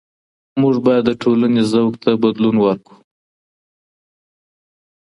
موږ بايد د ټولني ذوق ته بدلون ورکړو.